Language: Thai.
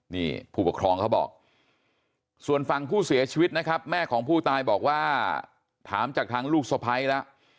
นี่ผู้ปกครองเขาบอกส่วนฝั่งผู้เสียชีวิตนะครับแม่ของผู้ตายบอกว่าถามจากทางลูกสะพ้ายแล้ว